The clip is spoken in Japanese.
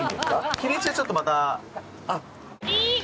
日にちはちょっとまた。